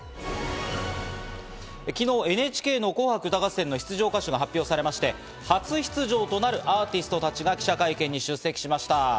昨日、ＮＨＫの『紅白歌合戦』の出場歌手が発表されまして、初出場となるアーティストたちが記者会見に出席しました。